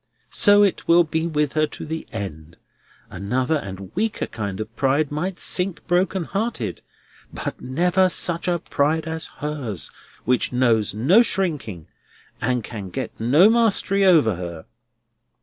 So it will be with her to the end. Another and weaker kind of pride might sink broken hearted, but never such a pride as hers: which knows no shrinking, and can get no mastery over her."